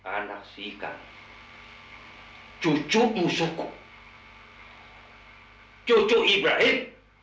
anak si ikang cucuk musuhku cucuk ibrahim